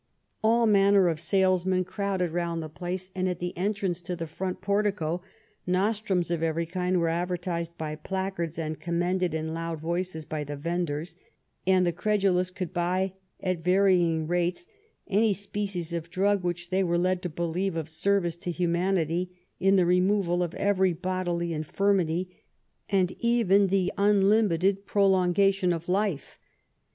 All manner of salesmen crowded round the place, and at the entrance to the front portico nostrimis of every kind were advertised by placards and commend ed in loud voices by the venders, and the credulous could buy at varying rates any species of drug which they were led to believe of service to humanity in the removal of every bodily infirmity and even the un limited prolongation of life.